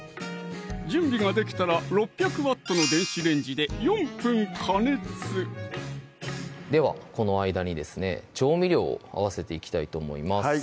準備ができたら６００Ｗの電子レンジで４分加熱ではこの間にですね調味料を合わせていきたいと思います